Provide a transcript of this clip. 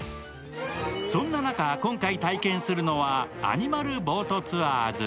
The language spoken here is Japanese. そんな中、今回体験するのはアニマルボートツアーズ。